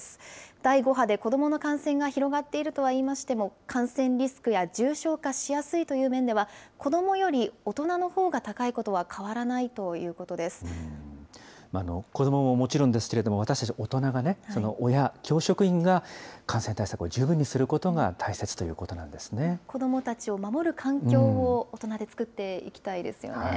第５波で子どもの感染が広がっているとはいいましても、感染リスクや重症化しやすいという面では、子どもより大人のほうが高いこと子どもももちろんですけれども、私たち大人がね、親、教職員が、感染対策を十分にすることが子どもたちを守る環境を、大人で作っていきたいですよね。